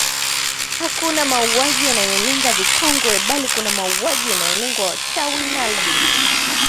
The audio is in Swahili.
Hakuna mauaji yanayolenga vikongwe bali kuna mauaji yanayolenga wachawi na albino